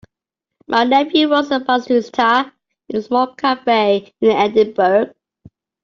My nephew works as a barista in a small cafe in Edinburgh.